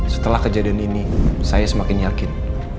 setelah kejadian ini saya semakin yakin